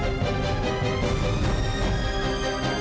kamu coleman akhirnya bisa bergurau